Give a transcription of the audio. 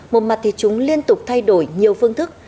một mặt thì chúng liên tục thay đổi nhiều phương thức